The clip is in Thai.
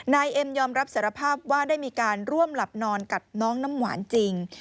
นายเอ็มยอมรับสารภาพว่าได้มีการร่วมหลับนอนกับน้องน้ำหวานจริง